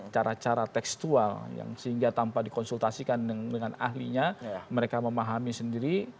cara cara tekstual sehingga tanpa dikonsultasikan dengan ahlinya mereka memahami sendiri